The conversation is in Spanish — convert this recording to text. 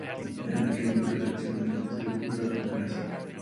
El mecanismo de reacción es descrito a continuación.